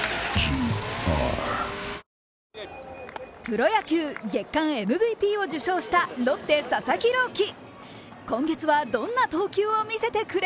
ＪＴプロ野球月間ＭＶＰを受賞したロッテ・佐々木朗希